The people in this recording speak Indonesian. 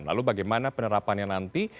lalu bagaimana penerapannya nanti